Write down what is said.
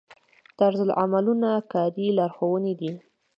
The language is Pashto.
طرزالعملونه کاري لارښوونې دي